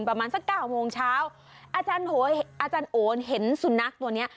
ประมาณสักเก้าโมงเช้าอาจารย์โอนเห็นสุนัขตัวเนี้ย